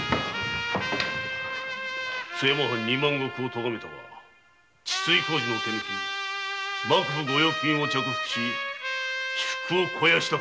津山藩二万石を咎めたのは治水工事の手抜き幕府ご用金を着服し私腹を肥やしたからだ。